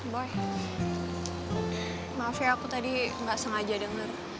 boy maaf ya aku tadi nggak sengaja denger